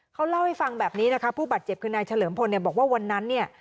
เขาเล่าให้ฟังแบบนี้นะคะผู้บาดเจ็บคือนายเฉลิมพลเนี่ยบอกว่าวันนั้นเนี่ย